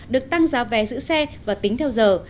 được tăng giá vé giữ xe và tính theo giờ